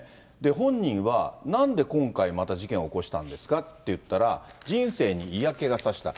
本人は、なんで今回、また事件を起こしたんですかっていったら、人生に嫌気がさした。